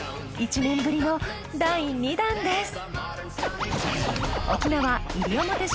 １年ぶりの第２弾です。